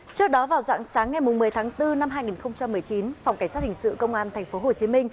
trước đó vào dạng sáng ngày một mươi tháng bốn năm hai nghìn một mươi chín phòng cảnh sát hình sự công an tp hcm